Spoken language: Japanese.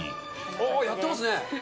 おー、やってますね。